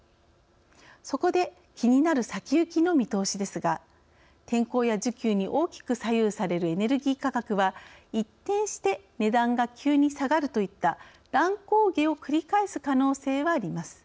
そこで気になる先行きの見通しですが天候や需給に大きく左右されるエネルギー価格は一転して値段が急に下がるといった乱高下を繰り返す可能性があります。